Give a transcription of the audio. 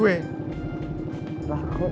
nih yang yang